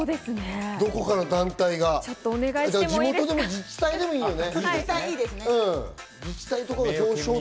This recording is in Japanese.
どこかの団体が地元でも自治体でもいいよね。